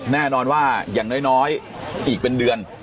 แน่นอนว่าอย่างน้อยอีกเป็นเดือน